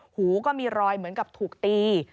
หูก็มีรอยเหมือนกับถูกตี